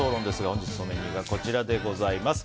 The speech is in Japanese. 本日そのメニューがこちらです。